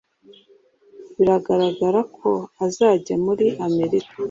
Biragaragara ko azajya muri Amerika